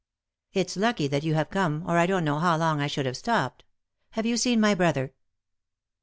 It's lucky that you have come, or I don't know how long I should have stopped. Have you seen my brother